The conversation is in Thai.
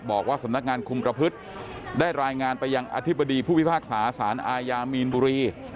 บอกว่าสำนักงานคุมประพฤติได้รายงานไปยังอธิบดีผู้พิพากษาสารอาญามีนบุรี